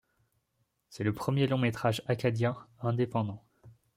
C'est le premier long métrage acadien indépendant.